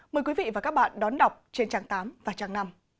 mời quý vị và các bạn đón đọc trên trang tám và trang năm